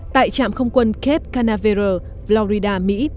tại trạm không quân cape canaveral florida mỹ